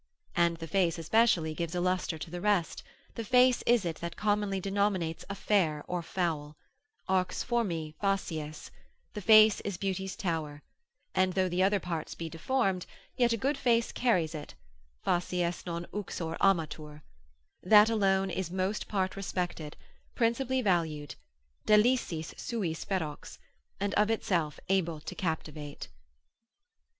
And the face especially gives a lustre to the rest: the face is it that commonly denominates a fair or foul: arx formae facies, the face is beauty's tower; and though the other parts be deformed, yet a good face carries it (facies non uxor amatur) that alone is most part respected, principally valued, deliciis suis ferox, and of itself able to captivate.